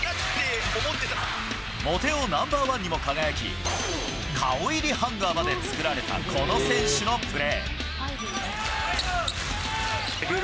モテ男ナンバー１にも輝き、顔入りハンガーまで作られたこの選手のプレー。